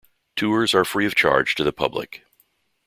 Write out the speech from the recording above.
Tours are free of charge to the public.